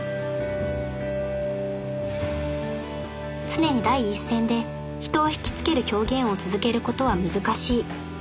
常に第一線で人を引き付ける表現を続けることは難しい。